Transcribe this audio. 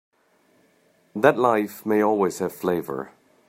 That life may always have flavor.